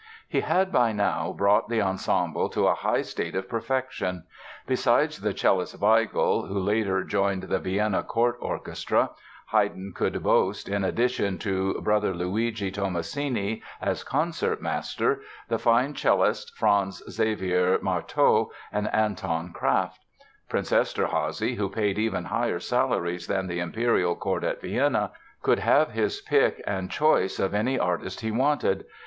He had by now brought the ensemble to a high state of perfection. Besides the cellist Weigl (who later joined the Vienna court orchestra) Haydn could boast, in addition to "brother Luigi" Tomasini, as concertmaster, the fine cellists, Franz Xaver Marteau and Anton Kraft. Prince Eszterházy, who paid even higher salaries than the imperial court at Vienna, could have his pick and choice of any artist he wanted.